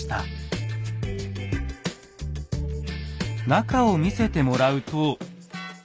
中を見せてもらうと。